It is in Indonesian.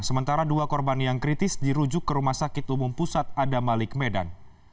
sementara dua korban yang kritis dirujuk ke rumah sakit umum pusat adamalik medan